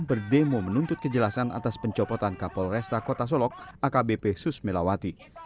berdemo menuntut kejelasan atas pencopotan kapolresta kota solok akbp susmelawati